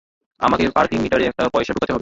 আমাকে পার্কিং মিটারে একটা পয়সা ঢুকাতে হবে।